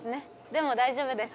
でも大丈夫です。